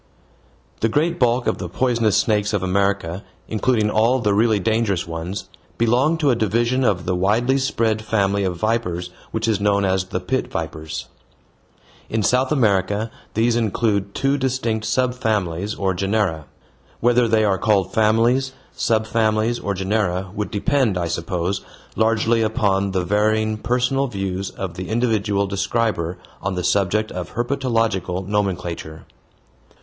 The great bulk of the poisonous snakes of America, including all the really dangerous ones, belong to a division of the widely spread family of vipers which is known as the pit vipers. In South America these include two distinct subfamilies or genera whether they are called families, subfamilies, or genera would depend, I suppose, largely upon the varying personal views of the individual describer on the subject of herpetological nomenclature.